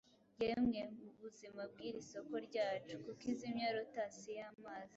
Yemwe buzima bw'iri soko ryacu! kuki izimya lotus y'amazi